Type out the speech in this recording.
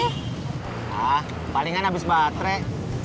nah palingan habis baterai